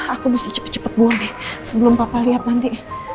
aku mesti cepat cepat buang deh sebelum papa lihat nanti